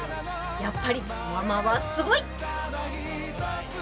やっぱりママはすごい！